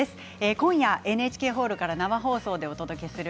今夜ＮＨＫホールから生放送でお届けします